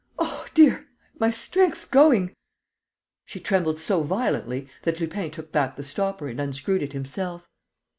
Oh, dear, my strength's going!..." She trembled so violently that Lupin took back the stopper and unscrewed it himself.